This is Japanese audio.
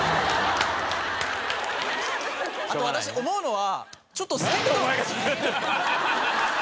あと私思うのは。